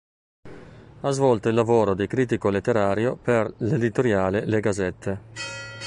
Ha svolto il lavoro di critico letterario per l' "Editoriale Le Gazzette".